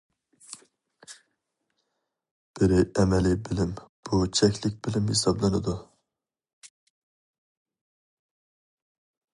بىرى ئەمەلىي بىلىم- بۇ چەكلىك بىلىم ھېسابلىنىدۇ.